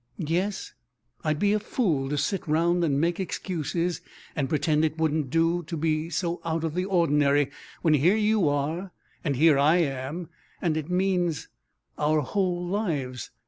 "Yes, I'd be a fool to sit round and make excuses and pretend it wouldn't do to be so out of the ordinary when here you are and here I am, and it means our whole lives.